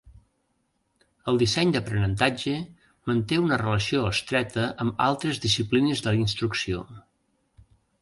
El disseny d'aprenentatge manté una relació estreta amb altres disciplines de la instrucció.